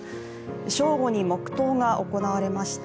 正午に黙とうが行われました。